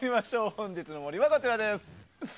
本日の森はこちらです。